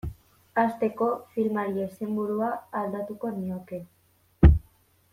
Hasteko, filmari izenburua aldatuko nioke.